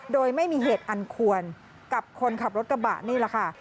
โดยไม่มีเหตุอันควรกับคนขับรถกระบะนี่แหละค่ะ